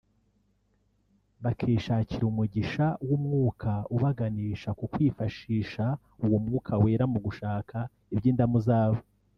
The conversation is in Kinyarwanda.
bakishakira umugisha w’Umwuka ubaganisha ku kwifashisha uwo Mwuka Wera mu gushaka iby’indamu zabo